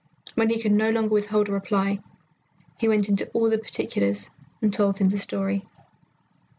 When he could no longer withhold a reply, he went into all the particulars and told him the story.